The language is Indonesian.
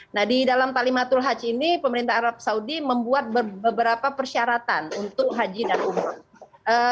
nah di dalam talimatul hajj ini pemerintah arab saudi membuat beberapa persyaratan untuk haji dan umroh